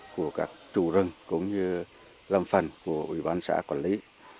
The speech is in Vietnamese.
của các chủ rừng cũng như lâm phần của ủy ban xã quản lý